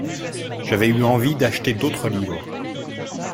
J'avais eu envie d'acheter d'autres livres.